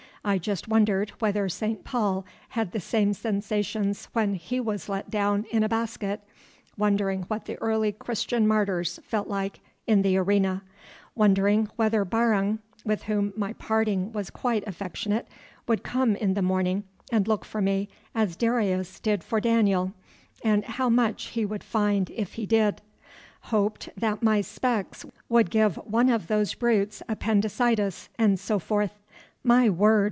I just wondered whether St. Paul had the same sensations when he was let down in a basket; wondered what the early Christian martyrs felt like in the arena; wondered whether Barung, with whom my parting was quite affectionate, would come in the morning and look for me as Darius did for Daniel and how much he would find if he did; hoped that my specs would give one of those brutes appendicitis, and so forth. My word!